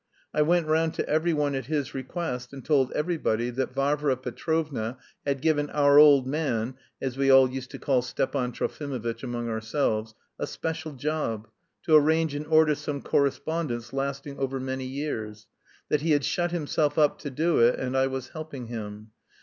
I went round to every one at his request and told everybody that Varvara Petrovna had given "our old man" (as we all used to call Stepan Trofimovitch among ourselves) a special job, to arrange in order some correspondence lasting over many years; that he had shut himself up to do it and I was helping him.